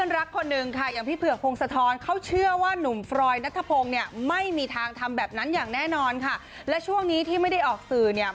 และช่วงนี้ที่ไม่ได้ออกสื่อเนี่ย